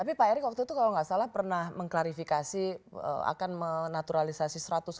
tapi pak erick waktu itu kalau nggak salah pernah mengklarifikasi akan menaturalisasi